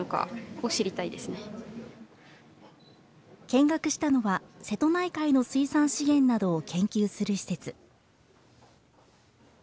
見学したのは瀬戸内海の水産資源などを研究する施設。